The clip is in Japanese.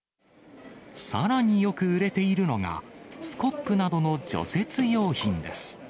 さらによく売れているのが、スコップなどの除雪用品です。